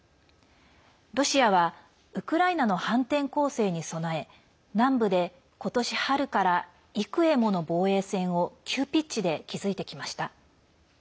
ロシアはウクライナの反転攻勢に備え南部で、今年春から幾重もの防衛線を急ピッチで築いてきました。